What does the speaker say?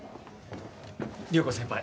涼子先輩